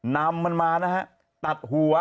นำมันมานะฮะตัดหัว